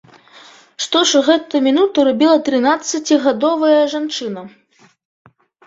Што ж у гэтую мінуту рабіла трынаццацігадовая жанчына?